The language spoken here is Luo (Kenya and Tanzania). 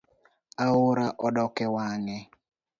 Aora odok ewange